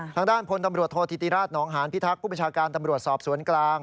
ทางด้านพลตำรวจโทษธิติราชนองหานพิทักษ์ผู้บัญชาการตำรวจสอบสวนกลาง